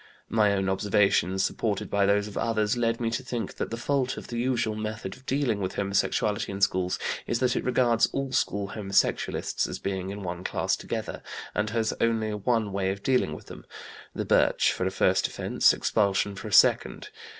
My own observations, supported by those of others, led me to think that the fault of the usual method of dealing with homosexuality in schools is that it regards all school homosexualists as being in one class together, and has only one way of dealing with them the birch for a first offense, expulsion for a second.